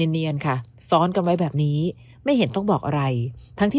เนียนค่ะซ้อนกันไว้แบบนี้ไม่เห็นต้องบอกอะไรทั้งที่